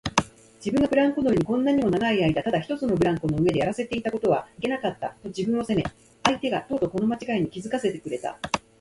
自分がブランコ乗りにこんなにも長いあいだただ一つのブランコの上でやらせていたことはいけなかった、と自分を責め、相手がとうとうこのまちがいに気づかせてくれた